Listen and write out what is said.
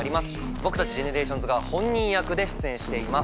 僕たちＧＥＮＥＲＡＴＩＯＮＳが本人役で出演しています。